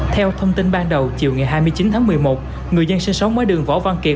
theo thông tin ban đầu chiều ngày hai mươi chín tháng một mươi một người dân sinh sống với đường võ văn kiệt